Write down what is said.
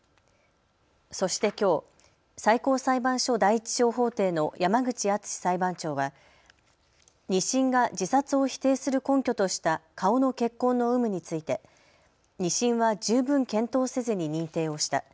そしてきょう、最高裁判所第１小法廷の山口厚裁判長は２審が自殺を否定する根拠とした顔の血痕の有無について、２審は十分検討せずに認定をした。